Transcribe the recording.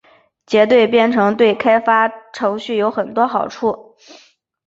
结对编程对开发程序有很多好处。